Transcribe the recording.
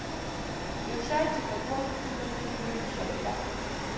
یو شی چې په دواړو ټولنو کې مې مشاهده کړ.